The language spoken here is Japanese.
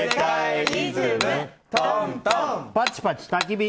パチパチたきび。